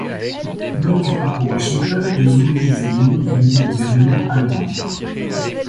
Mottu part pour Washington ayant mémorisé les noms du nouveau gouvernement allemand.